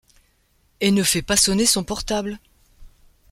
Et ne fais pas sonner son portable !